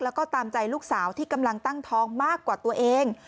แล้วก็ตามใจลูกสาวที่กำลังตั้งท้องมากกว่าตัวเอง